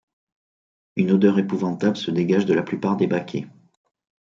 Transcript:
Une odeur épouvantable se dégage de la plupart des baquets.